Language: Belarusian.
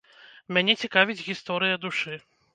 Мяне цікавіць гісторыя душы.